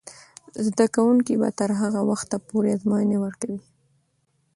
زده کوونکې به تر هغه وخته پورې ازموینې ورکوي.